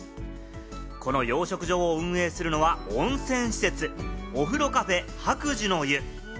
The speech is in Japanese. この養殖場を運営するのは温泉施設、お風呂Ｃａｆｅ白寿の湯。